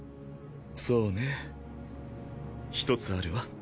そうね１つあるわ。